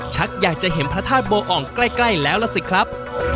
อยากจะเห็นพระธาตุโบอ่องใกล้แล้วล่ะสิครับ